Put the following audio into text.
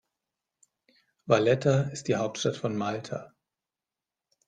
Valletta ist die Hauptstadt von Malta.